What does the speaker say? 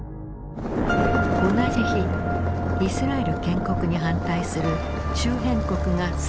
同じ日イスラエル建国に反対する周辺国が宣戦布告。